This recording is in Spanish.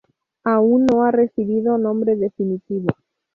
Aún no ha recibido nombre definitivo.